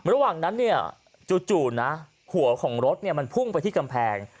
ระหว่างนั้นเนี่ยจู่นะหัวของรถมันพุ่งไปที่กำแพง